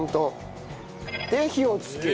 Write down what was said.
で火をつける。